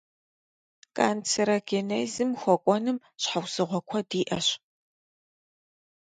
Канцерогенезым хуэкӀуэным щхьэусыгъуэ куэд иӀэщ.